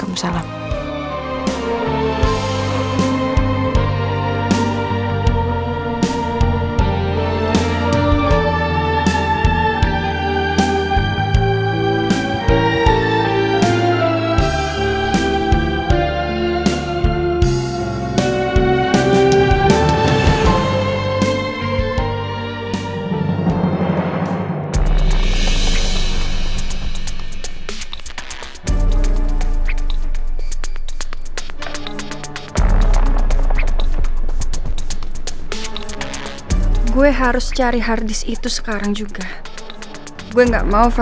assalamualaikum warahmatullahi wabarakatuh